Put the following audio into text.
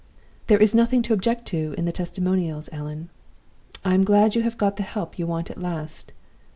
'There is nothing to object to in the testimonials, Allan: I am glad you have got the help you want at last.